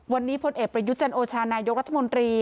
วันนี้พลเอกประยุจันโอชานายกรัฐมนตรี